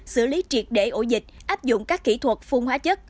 xử lý triệt để ổ dịch áp dụng các kỹ thuật phun hóa chất